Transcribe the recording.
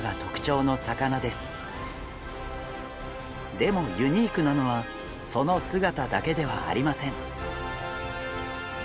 でもユニークなのはその姿だけではありません。